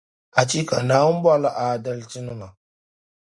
Achiika! Naawuni bɔrila aadalsinima.